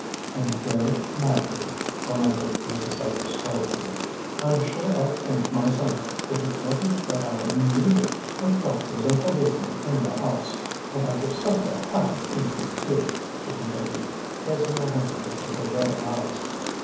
"And very naturally," lamented Mrs. Sellars dolefully. "I'm sure I'd faint myself, if it wasn't that I am needed, with doctors and policemen in the house. And after such a happy evening, too," she continued, placing her handkerchief to her red eyes.